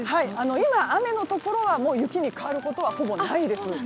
今、雨のところは雪に変わることはほぼ、ないです。